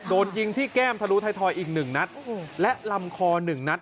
โดนยิงที่แก้มทะลุท้ายทอยอีก๑นัดและลำคอ๑นัด